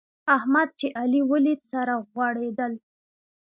احمد چې علي وليد؛ سره غوړېدل.